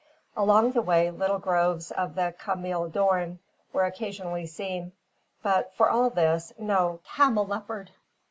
Along the way, little groves of the cameel doorn were occasionally seen; but, for all this, no camelopards.